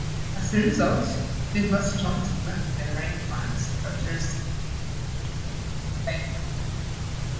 As a result, annular storms lack the rainbands characteristic of typical tropical cyclone.